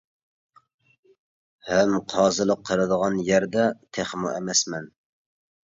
ھەم قازىلىق قىلىدىغان يەردە تېخىمۇ ئەمەسمەن.